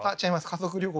家族旅行で。